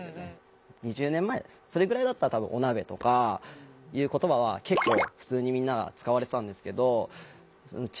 ２０年前それぐらいだったら多分オナベとかいう言葉は結構普通にみんなが使われてたんですけどうち